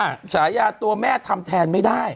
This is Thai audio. ฉายาตัวแม่ทำแทนไม่ได้